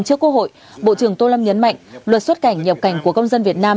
trước quốc hội bộ trưởng tô lâm nhấn mạnh luật xuất cảnh nhập cảnh của công dân việt nam